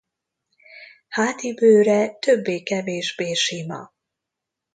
Háti bőre többé-kevésbé sima.